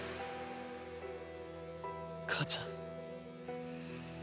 母ちゃん。